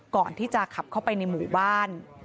ก่อนที่จะขับเข้าไปในหมู่บ้าน